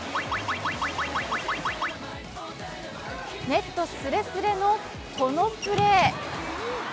ネットすれすれのこのプレー。